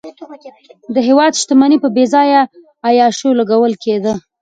د هېواد شتمني په بېځایه عیاشیو لګول کېده.